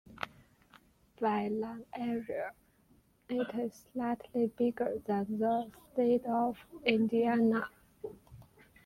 By land area, it is slightly bigger than the state of Indiana.